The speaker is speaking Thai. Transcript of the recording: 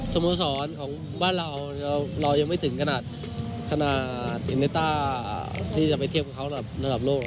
สมสรรค์ของบ้านเราเรายังไม่ถึงขนาดขนาดที่จะไปเทียบกับเขาระดับระดับโลก